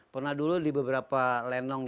pernah dulu di beberapa lenong